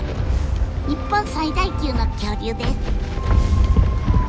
日本最大級の恐竜です。